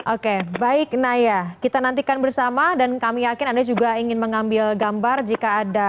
oke baik naya kita nantikan bersama dan kami yakin anda juga ingin mengambil gambar jika ada